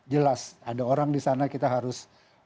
jelas ada orang di sana kita harus